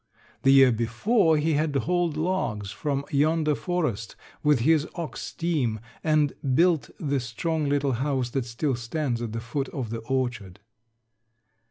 The year before he had hauled logs from yonder forest with his ox team and built the strong little house that still stands at the foot of the orchard.